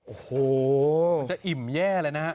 โอ้โหจะอิ่มแย่เลยนะ